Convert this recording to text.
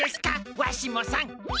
わしもさん！